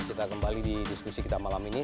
kita kembali di diskusi kita malam ini